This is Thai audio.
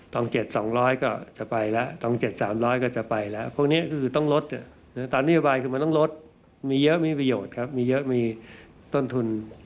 ๗๒๐๐ก็จะไปแล้วทอง๗๓๐๐ก็จะไปแล้วพวกนี้ก็คือต้องลดตามนโยบายคือมันต้องลดมีเยอะมีประโยชน์ครับมีเยอะมีต้นทุน